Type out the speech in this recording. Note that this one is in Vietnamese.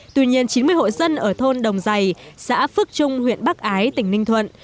tuy nhiên chín mươi hộ dân ở thôn đồng giày xã phước trung huyện bắc ái tỉnh ninh thuận